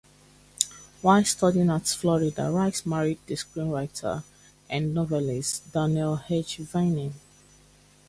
Whilst studying at Florida, Rice married the screenwriter and novelist, Daniel H. Vining.